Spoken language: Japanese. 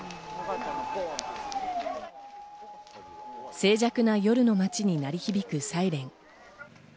静寂な夜の町に鳴り響くサイレン。